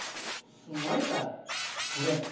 すごいからこれ。